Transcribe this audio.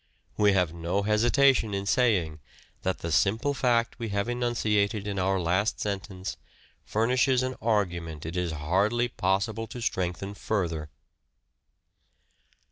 We have no hesitation in saying that the simple fact we have enunciated in our last sentence furnishes an argument it is hardly possible to strengthen further.